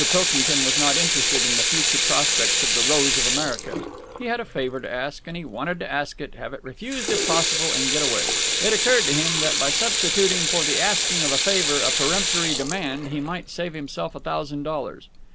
Pilkington was not interested in the future prospects of "The Rose of America." He had a favour to ask, and he wanted to ask it, have it refused if possible, and get away. It occurred to him that, by substituting for the asking of a favour a peremptory demand, he might save himself a thousand dollars.